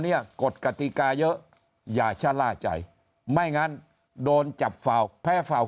นี้กฎกติกาเยอะอย่าช่าล่าใจไม่งั้นโดนจับฟาวแพ้ฟาว